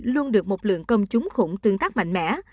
luôn được một lượng công chúng khủng tương tác mạnh mẽ